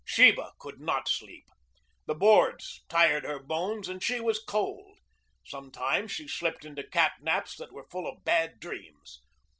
Sheba could not sleep. The boards tired her bones and she was cold. Sometimes she slipped into cat naps that were full of bad dreams.